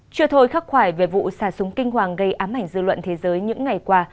chưa thôi khắc khoải về vụ xả súng kinh hoàng gây ám ảnh dư luận thế giới những ngày qua